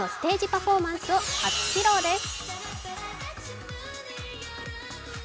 パフォーマンスを初披露です。